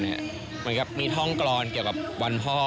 เหมือนกับมีท่องกรอนเกี่ยวกับวันพ่อ